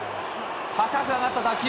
高く上がった打球。